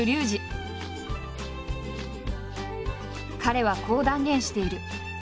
彼はこう断言している。